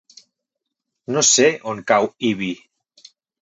No sé on cau Ibi.